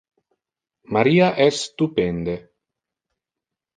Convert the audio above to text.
Maria es stupende.